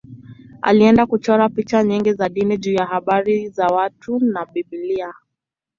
Aliendelea kuchora picha nyingi za dini juu ya habari na watu wa Biblia.